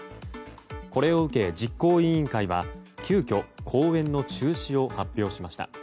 これを受け実行委員会は急遽、公演の中止を発表しました。